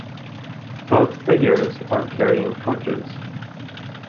Both figures are carrying torches.